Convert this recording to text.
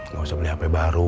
nggak usah beli hp baru